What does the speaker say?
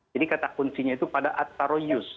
jadi kata kuncinya itu pada at tarayus